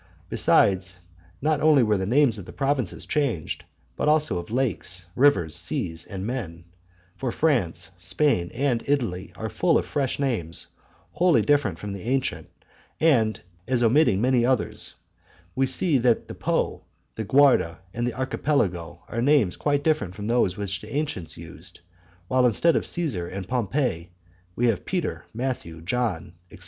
Besides, not only were the names of provinces changed, but also of lakes, rivers, seas, and men; for France, Spain, and Italy are full of fresh names, wholly different from the ancient; as, omitting many others, we see that the Po, the Garda, the Archipelago, are names quite different from those which the ancients used; while instead of Cæsar and Pompey we have Peter, Matthew, John, etc.